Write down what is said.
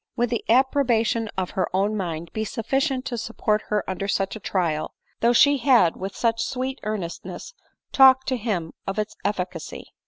Would the approbation of her own mind be sufficient to support her under such a trial, though she had with such sweet ear nestness talked to him of its efficacy